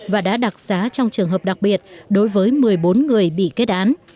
và đã đặc xá trong trường hợp đặc biệt đối với một mươi bốn người bị kết án